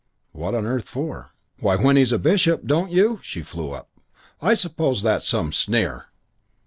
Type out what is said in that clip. What on earth for? "Why, when he's a bishop. Don't you " She flew up. "I suppose that's some sneer!"